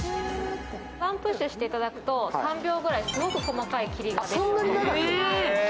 ワンプッシュしていただくと３秒ぐらいすごく細かい霧が出ます。